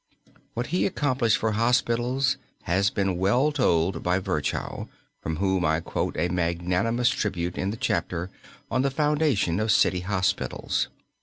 What he accomplished for hospitals has been well told by Virchow, from whom I quote a magnanimous tribute in the chapter on the Foundation of City Hospitals.